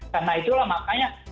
karena itulah makanya